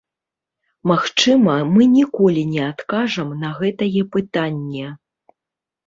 Магчыма, мы ніколі не адкажам на гэтае пытанне.